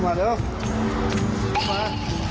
เข้ามา